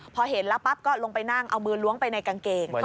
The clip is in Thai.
พอเห็นแล้วปั๊บก็ลงไปนั่งเอามือล้วงไปในกางเกง